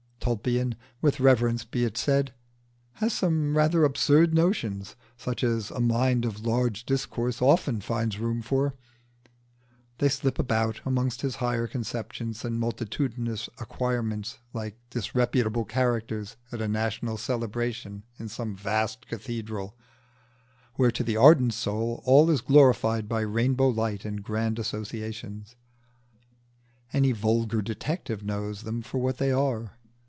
Tulpian, with reverence be it said, has some rather absurd notions, such as a mind of large discourse often finds room for: they slip about among his higher conceptions and multitudinous acquirements like disreputable characters at a national celebration in some vast cathedral, where to the ardent soul all is glorified by rainbow light and grand associations: any vulgar detective knows them for what they are.